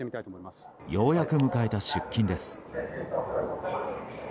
ようやく迎えた出勤です。